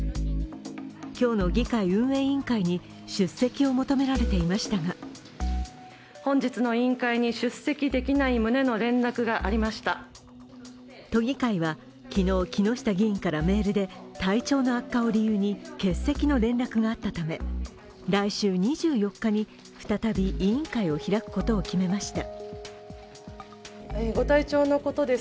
今日の議会運営委員会に出席を求められていましたが都議会は昨日、木下議員からメールで体調の悪化を理由に欠席の連絡があったため、来週２４日に再び委員会を開くことを決めました。